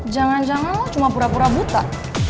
jangan jangan cuma pura pura buta